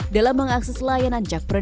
dalam mengakses layanan cekpreneur